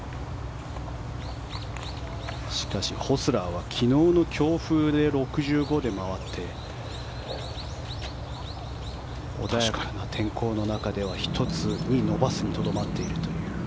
しかし、ホスラーは昨日の強風で６５で回って穏やかな天候の中では１つに伸ばすにとどまっているという。